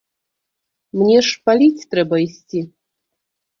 Мне ж паліць трэба ісці.